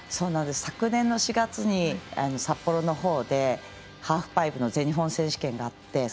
昨年の４月に札幌のほうでハーフパイプの全日本選手権があって。